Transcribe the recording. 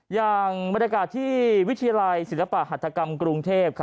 อย่างบรรยากาศที่วิทยาลัยศิลปะหัตกรรมกรุงเทพ